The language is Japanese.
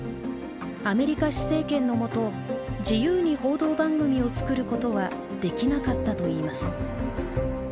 アメリカ施政権のもと自由に報道番組を作ることはできなかったといいます。